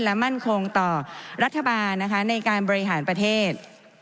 และมั่นคงต่อรัฐบาลนะคะในการบริหารประเทศ